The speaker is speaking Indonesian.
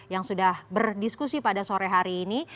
yang sudah berdiskusi pada sore hari ini